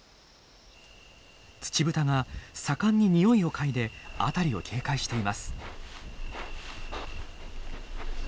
ツチブタが盛んににおいを嗅いで辺りを警戒しています。